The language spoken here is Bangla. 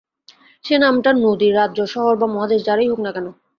সে নামটা নদী, রাজ্য, শহর বা মহাদেশ যারই হোক না কেন।